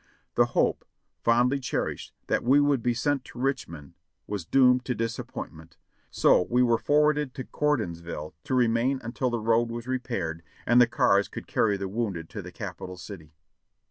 The hope, fondly cherished, that we would be sent to Rich mond was doomed to disappointment, so we were forwarded to Gordonsville to remain until the road was repaired and the cars could carry the wounded to the Capital City.